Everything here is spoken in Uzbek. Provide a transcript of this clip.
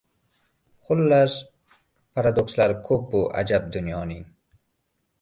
Xullas, paradokslari koʻp bu ajab dunyoning...